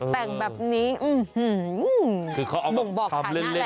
แต่งแบบนี้หมูบอกขาหน้าแหละ